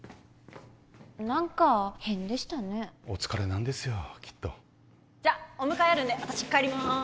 何か変でしたねお疲れなんですよきっとじゃあお迎えあるんで私帰ります